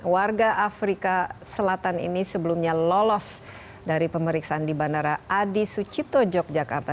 warga afrika selatan ini sebelumnya lolos dari pemeriksaan di bandara adi sucipto yogyakarta